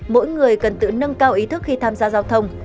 mỗi người cần tự nâng cao ý thức khi tham gia giao thông